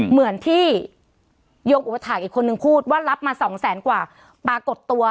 เหมือนที่โยมอุปถาคอีกคนนึงพูดว่ารับมาสองแสนกว่าปรากฏตัว